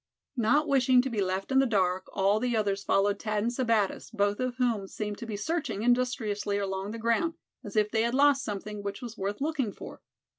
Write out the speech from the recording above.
Not wishing to be left in the dark, all the others followed Thad and Sebattis, both of whom seemed to be searching industriously along the ground, as if they had lost something which was worth looking for.